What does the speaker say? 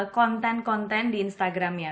konten konten di instagramnya